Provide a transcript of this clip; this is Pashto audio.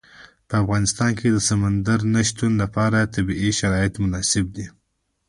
په افغانستان کې د سمندر نه شتون لپاره طبیعي شرایط مناسب دي.